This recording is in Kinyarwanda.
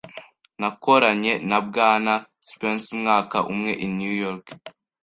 Nakoranye na Bwana Spencer umwaka umwe i New York.